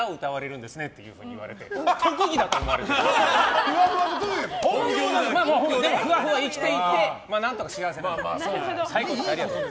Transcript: でもふわふわ生きていて何とか幸せなので。